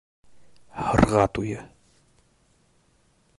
Һырға туйы